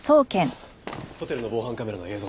ホテルの防犯カメラの映像です。